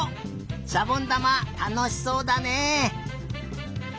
しゃぼんだまたのしそうだね。